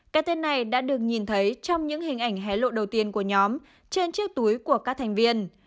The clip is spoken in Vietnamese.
cái tên này đã được nhìn thấy trong những hình ảnh hé lộ đầu tiên của nhóm trên chiếc túi của các thành viên